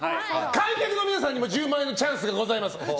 観客の皆さんにも１０万円のチャンスがございます。